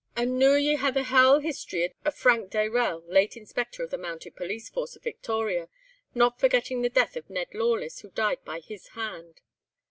"And noo ye hae the haill history o' Frank Dayrell, late Inspector o' the Mounted Police Force o' Victoria, no forgetting the death of Ned Lawless, who died by his hand.